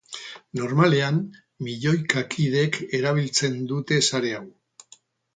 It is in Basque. Normalean, milioika kidek erabiltzen dute sare hau.